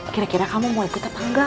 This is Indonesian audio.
kira kira kamu mau ikut apa enggak